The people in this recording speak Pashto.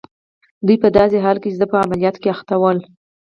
دوی په داسې حال کې چي زما په عملیاتو اخته ول.